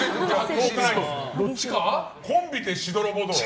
コンビで、しどろもどろ？